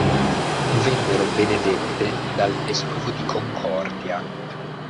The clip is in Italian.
Vennero benedette dal Vescovo di Concordia.